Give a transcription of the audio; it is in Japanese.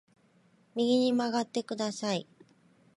右に曲がってください